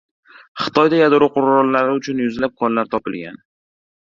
Xitoyda yadro qurollari uchun yuzlab konlar topilgan